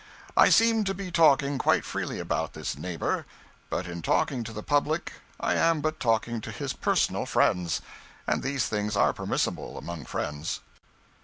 I seem to be talking quite freely about this neighbor; but in talking to the public I am but talking to his personal friends, and these things are permissible among friends.